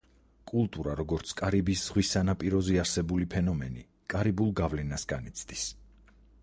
კულტურა, როგორც კარიბის ზღის სანაპიროზე არსებული ფენომენი, კარიბულ გავლენას განიცდის.